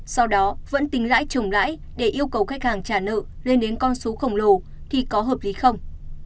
sau đó vẫn tính lãi chủng lãi để yêu cầu khách hàng trả nợ lên đến con số khổng lồ thì có hợp lý không